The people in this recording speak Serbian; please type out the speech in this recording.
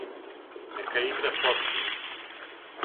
Нека игре почну